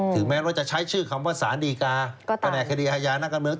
แม้ว่าจะใช้ชื่อคำว่าสารดีกาแผนกคดีอาญานักการเมือง